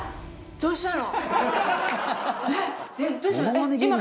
どうしたの？